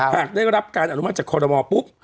หากได้รับการอารมณ์จากโคลโดมอล์ปุ๊บ